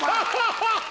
ハハハハ！